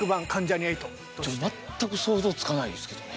全く想像つかないですけどね。